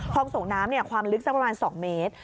คลองส่งน้ำความลึกประมาณ๒เมตร